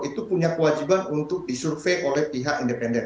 itu punya kewajiban untuk disurvey oleh pihak independen